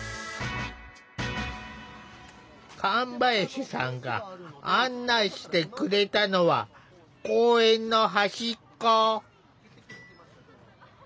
神林さんが案内してくれたのは公園の端っこ。